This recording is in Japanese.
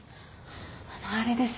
あのあれです